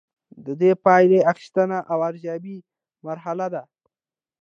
دا د پایلې اخیستنې او ارزیابۍ مرحله ده.